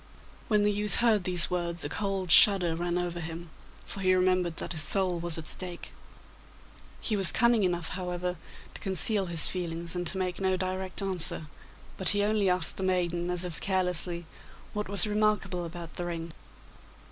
When the youth heard these words a cold shudder ran over him, for he remembered that his soul was at stake. He was cunning enough, however, to conceal his feelings and to make no direct answer, but he only asked the maiden, as if carelessly, what was remarkable about the ring?